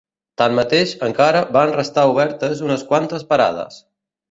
Tanmateix, encara van restar obertes unes quantes parades